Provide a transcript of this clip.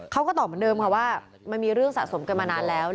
เขาก็ตอบเหมือนเดิมค่ะว่ามันมีเรื่องสะสมกันมานานแล้ว